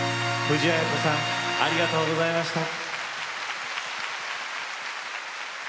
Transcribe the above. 藤あや子さんありがとうございました。